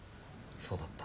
そうだった。